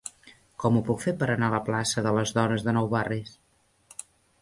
Com ho puc fer per anar a la plaça de Les Dones de Nou Barris?